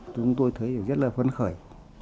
chúng tôi thấy rất là phấn khởi